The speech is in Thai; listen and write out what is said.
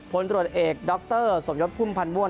ผลตรวจเอกดรสมยศพุ่มพันธ์ม่วน